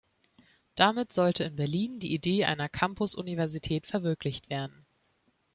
Damit sollte in Berlin die Idee einer Campus-Universität verwirklicht werden.